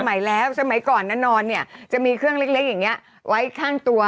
ใหม่แล้วสมัยก่อนนะนอนเนี่ยจะมีเครื่องเล็กอย่างนี้ไว้ข้างตัว